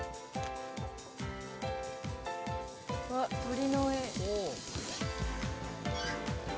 あっ鳥の絵。